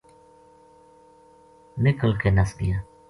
نکل کے نَس گیا